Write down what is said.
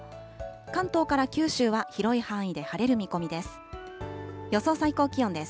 関東から九州は広い範囲で晴れる見込みです。